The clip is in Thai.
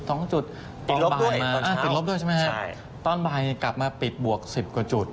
ติดลบด้วยตอนเช้าตอนบ่ายกลับมาปิดบวก๑๐กว่าจุด